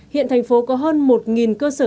hiện thành phố có hơn một cơ sở